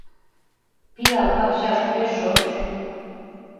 Пиал пакчаш огеш шоч.